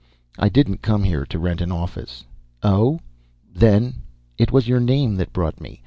"I didn't come here to rent an office." "Oh? Then " "It was your name that brought me.